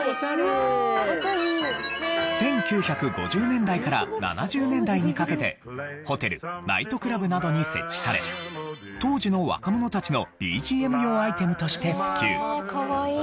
１９５０年代から１９７０年代にかけてホテルナイトクラブなどに設置され当時の若者たちのＢＧＭ用アイテムとして普及。